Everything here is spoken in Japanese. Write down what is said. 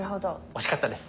惜しかったです。